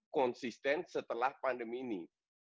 konsisten setelah pandemi ini